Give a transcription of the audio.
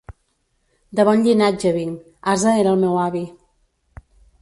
De bon llinatge vinc: ase era el meu avi.